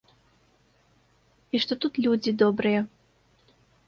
І што тут людзі добрыя.